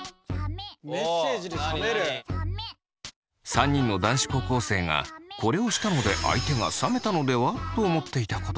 ３人の男子高校生がこれをしたので相手が冷めたのでは？と思っていたことです。